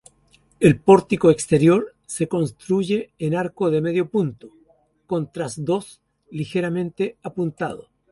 El pórtico exterior se construye en arco de medio punto, con trasdós ligeramente apuntado.